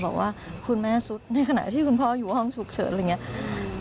บอกว่าคุณแม่สุดในขณะที่คุณพ่ออยู่ห้องฉุกเฉินอะไรอย่างนี้